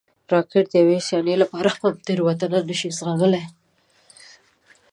راکټ د یوې ثانیې لپاره هم تېروتنه نه شي زغملی